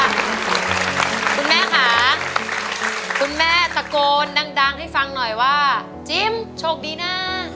คุณแม่ค่ะคุณแม่ตะโกนดังให้ฟังหน่อยว่าจิ๊บโชคดีนะ